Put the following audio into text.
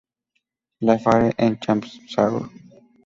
La Fare-en-Champsaur